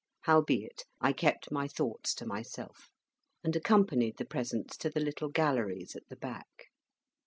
Howbeit, I kept my thoughts to myself, and accompanied the presence to the little galleries at the back.